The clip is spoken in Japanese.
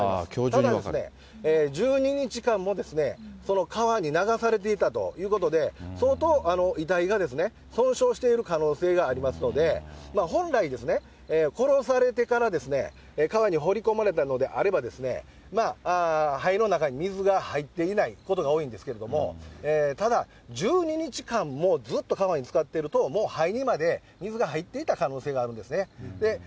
ただ、１２日間も川に流されていたということで、相当遺体が損傷している可能性がありますので、本来、殺されてから川に放り込まれたのであれば、肺の中に水が入っていないことが多いんですけれども、ただ、１２日間もずっと川につかっていると、もう肺にまで水が入ってた可能性があるんですね。